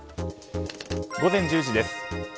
午前１０時です。